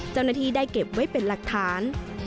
เจ้าหน้าที่ได้เก็บไว้เป็นหลักฐาน